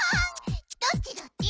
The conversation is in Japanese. ドッチドッチ？